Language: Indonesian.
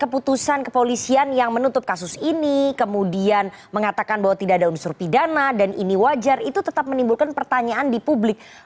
keputusan kepolisian yang menutup kasus ini kemudian mengatakan bahwa tidak ada unsur pidana dan ini wajar itu tetap menimbulkan pertanyaan di publik